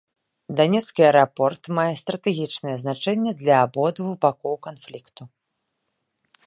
Данецкі аэрапорт мае стратэгічнае значэнне для абодвух бакоў канфлікту.